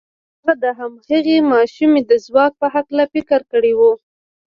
هغه د هماغې ماشومې د ځواک په هکله فکر کړی و.